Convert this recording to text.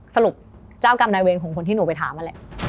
เจ้ากรรมนายเวรของคนที่หนูไปถามนั่นแหละ